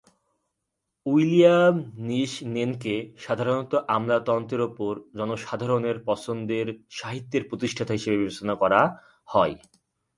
William নিসনেনকে সাধারণত আমলাতন্ত্রের উপর জনসাধারণের পছন্দের সাহিত্যের প্রতিষ্ঠাতা হিসেবে বিবেচনা করা হয়।